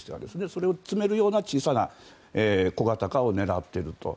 それを積めるような小さな、小型化を狙っていると。